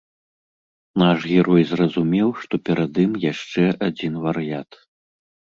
Наш герой зразумеў, што перад ім яшчэ адзін вар'ят.